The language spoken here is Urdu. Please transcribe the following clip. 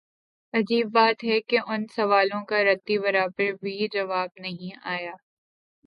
عجیب بات ہے کہ ان سوالوں کا رتی برابر بھی جواب نہیںآیا۔